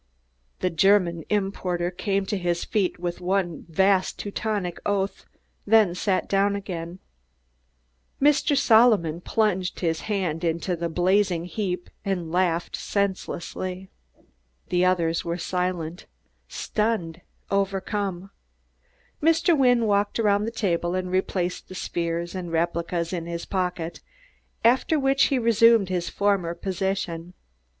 The German importer came to his feet with one vast Teutonic oath, then sat down again; Mr. Solomon plunged his hand into the blazing heap and laughed senselessly. The others were silent, stunned, overcome. Mr. Wynne walked around the table and replaced the spheres and replicas in his pocket, after which he resumed his former position.